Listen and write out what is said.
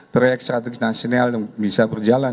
proyek strategis nasional yang bisa berjalan